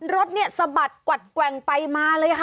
รถเนี่ยสะบัดกวัดแกว่งไปมาเลยค่ะ